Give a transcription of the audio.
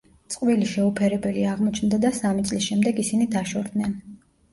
წყვილი შეუფერებელი აღმოჩნდა და სამი წლის შემდეგ ისინი დაშორდნენ.